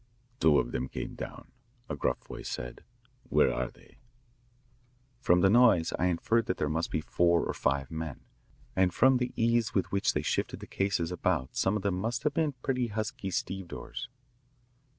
"Two of them came down," a gruff voice said. "Where are they?" >From the noise I inferred that there must be four or five men, and from the ease with which they shifted the cases about some of them must have been pretty husky stevedores.